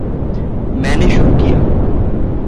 मैंने शुरू किया।